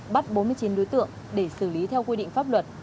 bắt bốn mươi chín đối tượng để xử lý theo quy định pháp luật